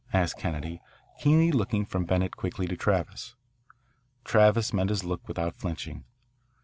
asked Kennedy, keenly looking from Bennett quickly to Travis. Travis met his look without flinching.